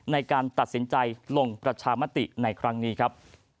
ในการตัดสินใจลงประชามติในครั้งนี้ครับ